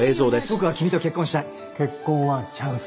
「僕は君と結婚したい」「結婚はチャンス」